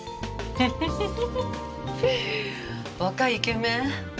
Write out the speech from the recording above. フフフフ若いイケメン。